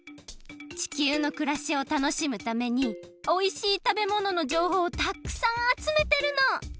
地球のくらしを楽しむためにおいしいたべもののじょうほうをたくさんあつめてるの！